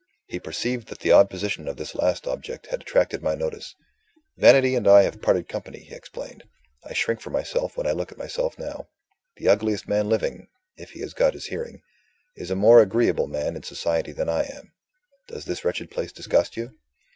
He perceived that the odd position of this last object had attracted my notice. "Vanity and I have parted company," he explained; "I shrink from myself when I look at myself now. The ugliest man living if he has got his hearing is a more agreeable man in society than I am. Does this wretched place disgust you?"